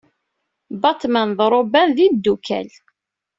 Batman d Robin d imeddukal.